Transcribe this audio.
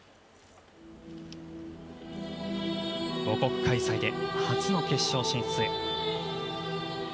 母国開催で初の決勝進出へ。